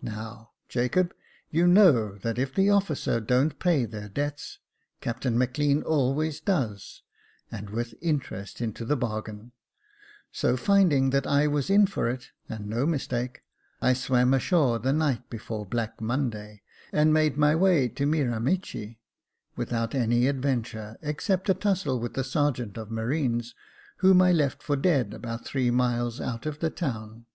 Now, Jacob, you know that if the officers don't pay their debts. Captain Maclean always does, and with interest into the bargain ; so finding that I was in for it, and no mistake, I swam ashore the night before Black Monday, and made my way to Miramichi, without any adventure, except a tussle with a sergeant of marines, whom I left for dead about three miles out of the town.